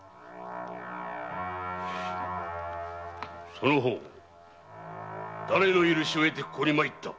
その方だれの許しを得てここに参った！